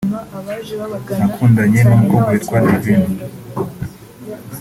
nakundanye n’umukobwa witwa Divine